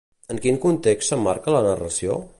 En quin context s'emmarca la narració?